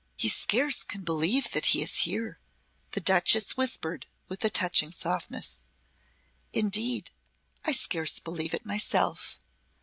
"You scarce can believe that he is here," the Duchess whispered with a touching softness. "Indeed, I scarce believe it myself.